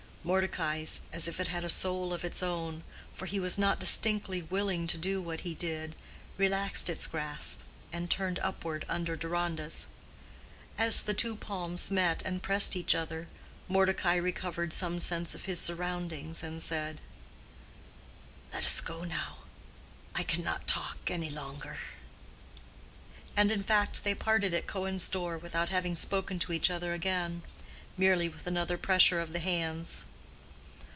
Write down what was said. Mordecai's, as if it had a soul of its own—for he was not distinctly willing to do what he did—relaxed its grasp, and turned upward under Deronda's. As the two palms met and pressed each other Mordecai recovered some sense of his surroundings, and said, "Let us go now. I cannot talk any longer." And in fact they parted at Cohen's door without having spoken to each other again—merely with another pressure of the hands.